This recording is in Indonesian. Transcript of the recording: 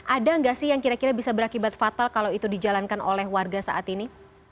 ada nggak sih yang kira kira bisa berakibat fatal kalau itu dijalankan oleh warga saat ini